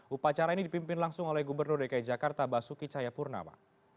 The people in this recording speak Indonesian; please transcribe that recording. upacara ini dipimpin langsung oleh gubernur dki jakarta basuki cayapurnama